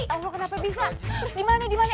aduh kenapa bisa terus dimana dimana